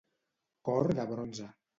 Cor de bronze.